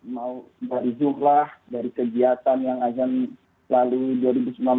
mau dari juhlah dari kegiatan yang adzan lalu dua ribu sembilan belas dan dua ribu dua puluh